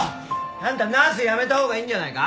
あんたナース辞めたほうがいいんじゃないか？